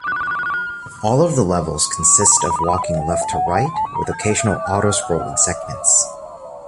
All of the levels consist of walking left to right, with occasional auto-scrolling segments.